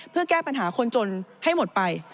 เพื่อแก้ปัญหาคนจนให้หมดไป